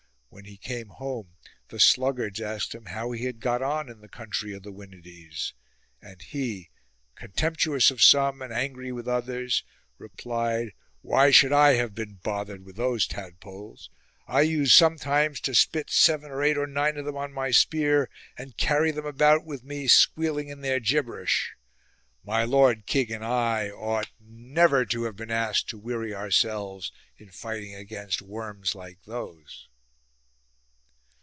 When he came home the sluggards asked him how he had got on in the country of the Winides ; and he, contemptuous of some and angry with others, replied : "Why should I have been 136 THE NORTHMEN AGAIN bothered with those tadpoles ? I used sometimes to spit seven or eight or nine of them on my spear and carry them about with me squealing in their gibberish. My lord king and I ought never to have been asked to weary ourselves in fighting against worms like those."